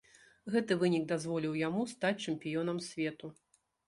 Гэты вынік дазволіў яму стаць чэмпіёнам свету.